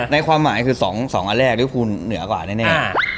ในความหมายคือ๒อันแรกริวภูเหนือกว่าแน่